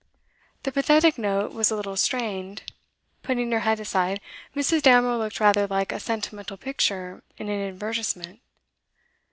The pathetic note was a little strained; putting her head aside, Mrs. Damerel looked rather like a sentimental picture in an advertisement.